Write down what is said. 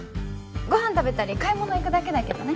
ご飯食べたり買い物行くだけだけどね。